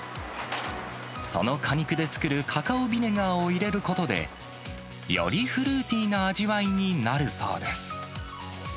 その果肉で作るカカオビネガーを入れることで、よりフルーティーな味わいになるそうです。